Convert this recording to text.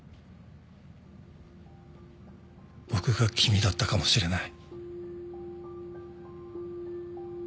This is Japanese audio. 僕が君だったかもしれない。